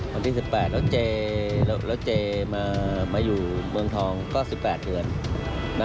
วันที่๑๘แล้วเจมาอยู่เมืองทองก็๑๘เดือน